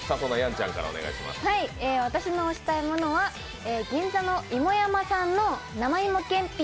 私のおしたいものは銀座の芋山さんの生芋けんぴ